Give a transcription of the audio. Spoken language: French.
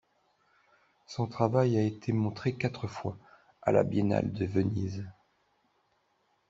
Son travail a été montré quatre fois à la Biennale de Venise.